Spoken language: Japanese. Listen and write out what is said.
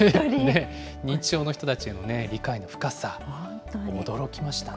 認知症の人たちへの理解の深さ、驚きましたね。